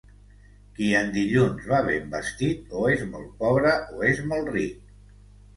Qui en dilluns va ben vestit o és molt pobre o és molt ric.